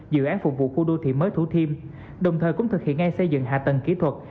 dự án phục vụ khu đô thị mới thủ thiêm đồng thời cũng thực hiện ngay xây dựng hạ tầng kỹ thuật